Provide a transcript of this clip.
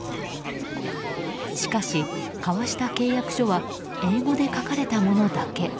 しかし、交わした契約書は英語で書かれたものだけ。